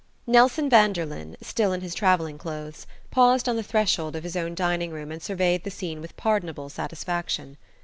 NELSON VANDERLYN, still in his travelling clothes, paused on the threshold of his own dining room and surveyed the scene with pardonable satisfaction.